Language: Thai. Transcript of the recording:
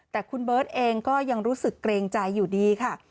แต่คุณเบิร์ตเองก็ยังรู้สึกเกรงใจอยู่ดีค่ะ